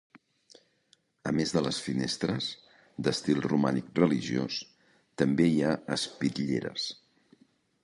A més de les finestres, d'estil romànic religiós, també hi ha espitlleres.